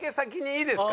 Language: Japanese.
えっいいですか？